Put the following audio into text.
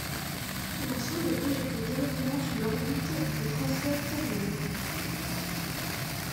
La sonde est injectée directement sur l'orbite de transfert Terre-Lune.